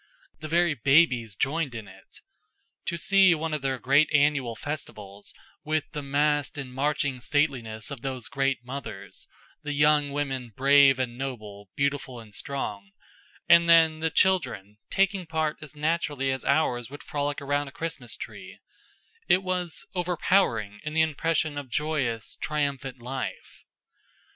The very babies joined in it. To see one of their great annual festivals, with the massed and marching stateliness of those great mothers, the young women brave and noble, beautiful and strong; and then the children, taking part as naturally as ours would frolic round a Christmas tree it was overpowering in the impression of joyous, triumphant life.